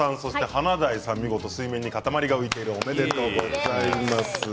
華大さん、見事水面に塊が浮いている正解でございます。